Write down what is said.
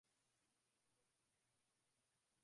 Kioo kimefunjika.